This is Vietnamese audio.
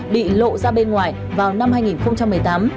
bị lộ ra bên ngoài vào năm hai nghìn một mươi tám